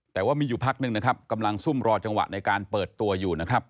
แต่ว่ามีอยู่พักหนึ่งนะครับกำลังซุ่มรอจังหวะในการเปิดตัวอยู่นะครับ